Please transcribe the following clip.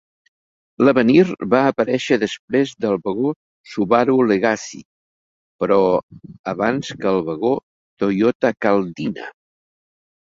L'Avenir va aparèixer després del vagó Subaru Legacy, però abans que el vagó Toyota Caldina.